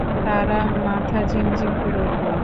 তাঁর মাথা ঝিমঝিম করে উঠল।